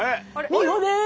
美穂です。